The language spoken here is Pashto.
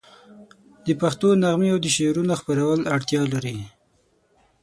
د پښتو نغمې او د شعرونو خپرول اړتیا لري.